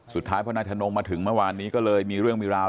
สุดท้ายพอนายทนงมาถึงเมื่อวานนี้ก็เลยมีเรื่องมีราว